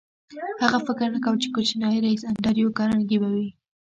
هغه فکر نه کاوه چې کوچنی ريیس انډریو کارنګي به وي